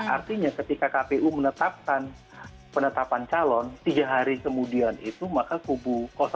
artinya ketika kpu menetapkan penetapan calon tiga hari kemudian itu maka kubu satu